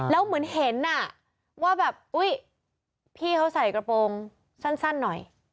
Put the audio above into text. แล้วเหมือนเห็นว่าแบบอุ๊ยพี่เขาใส่กระโปรงสั้นหน่อย